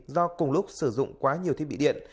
do cùng lúc sử dụng quá nhiều thiết bị điện